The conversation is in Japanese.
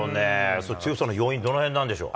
その強さの要因、どのへんなんでしょう。